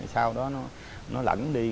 sau đó nó lẫn đi